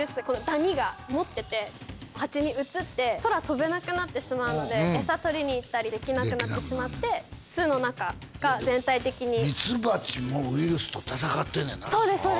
このダニが持ってて蜂にうつって空飛べなくなってしまうので餌取りに行ったりできなくなってしまって巣の中が全体的にそうです